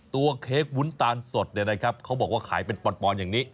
เค้กวุ้นตาลสดเนี่ยนะครับเขาบอกว่าขายเป็นปอนอย่างนี้